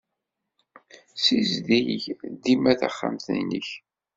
Ssizdig dima taxxamt-nnek.